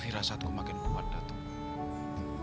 firasatku makin kuat dato'